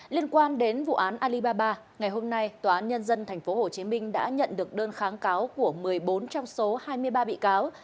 liên quan đến vụ án alibaba ngày hôm nay tòa án nhân dân tp hcm đã nhận được đơn kháng cáo của một mươi bốn trong số hai mươi ba bị cáo